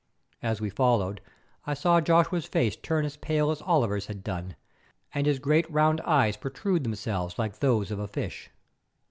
As we followed I saw Joshua's face turn as pale as Oliver's had done, and his great round eyes protrude themselves like those of a fish.